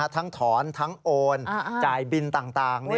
ทั้งถอนทั้งโอนจ่ายบินต่าง